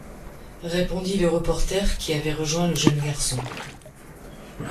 répondit le reporter, qui avait rejoint le jeune garçon